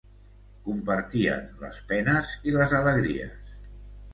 Compartien les penes i les alegries.